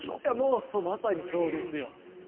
もうまさにそうですよ。